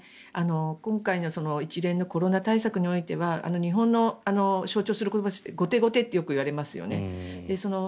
今回の一連のコロナ対策においては日本の象徴する言葉として後手後手ということがよく言われますよね。